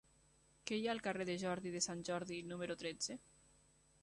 Què hi ha al carrer de Jordi de Sant Jordi número tretze?